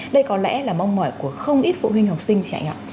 đây có lẽ là mong mỏi của không ít phụ huynh học sinh chẳng hạn